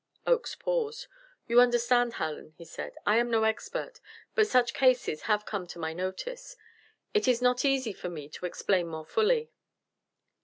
Oakes paused. "You understand, Hallen," he said, "I am no expert; but such cases have come to my notice it is not easy for me to explain more fully."